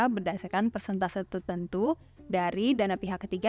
berdasarkan persentase tertentu dari dana pihak ketiga